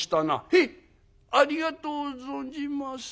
「へいありがとう存じます」。